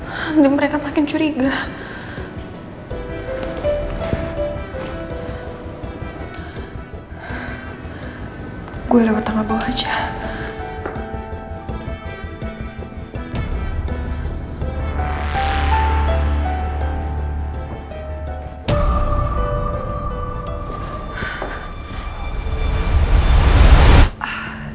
dan mereka makin curiga gue lewat tangga bawah aja